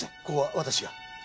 ここは私が。